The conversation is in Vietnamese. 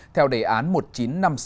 theo đề án một nghìn chín trăm năm mươi sáu